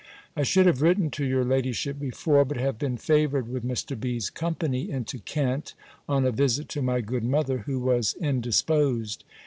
I should have written to your ladyship before; but have been favoured with Mr. B.'s company into Kent, on a visit to my good mother, who was indisposed.